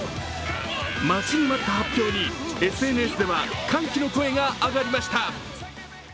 待ちに待った発表にＳＮＳでは歓喜の声が上がりました。